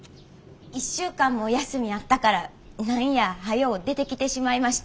１週間も休みあったから何やはよう出てきてしまいました。